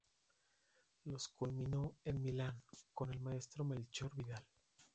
Los culminó en Milán con el maestro Melchor Vidal.